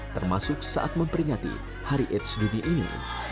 termasuk saat memperingati hari aids dunia ini